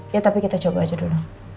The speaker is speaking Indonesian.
ya tapi kita coba aja dulu